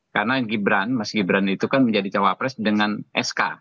karena yang gibran mas gibran itu kan menjadi cawapres dengan esok